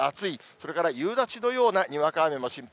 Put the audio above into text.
それから夕立のようなにわか雨も心配。